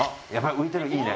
浮いてるのいいね。